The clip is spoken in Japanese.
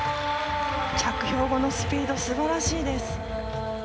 着氷後のスピード素晴らしいです。